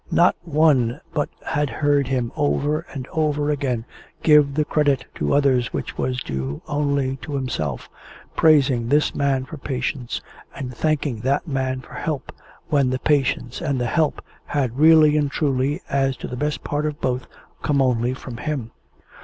Not one but had heard him, over and over again, give the credit to others which was due only to himself; praising this man for patience, and thanking that man for help, when the patience and the help had really and truly, as to the best part of both, come only from him.